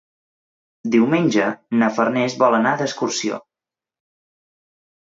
Diumenge na Farners vol anar d'excursió.